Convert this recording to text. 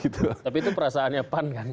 tapi itu perasaannya pan kan